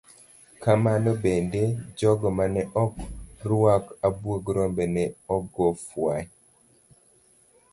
Kamano bende, jogo mane ok ruak abuog rombe ne ogo fwai.